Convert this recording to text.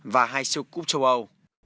và hai siêu cúp châu âu